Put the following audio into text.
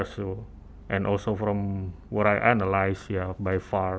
dan juga dari pendapat yang saya analisis